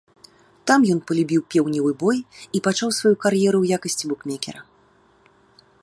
Там ён палюбіў пеўневы бой і пачаў сваю кар'еру ў якасці букмекера.